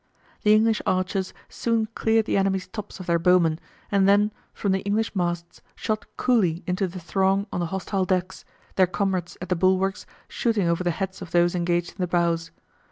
The English archers soon cleared the enemy's tops of their bowmen, and then from the English masts shot coolly into the throng on the hostile decks, their comrades at the bulwarks shooting over the heads of those engaged in the bows.